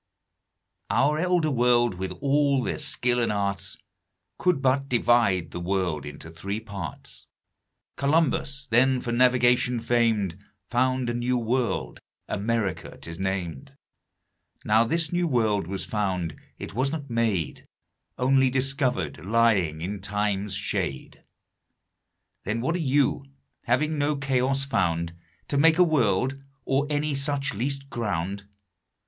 Our Elder World, with all their Skill and Arts, Could but divide the World into three Parts: Columbus, then for Navigation fam'd, Found a new World, America 'tis nam'd; Now this new World was found, it was not made, Onely discovered, lying in Time's shade. Then what are You, having no Chaos found To make a World, or any such least ground?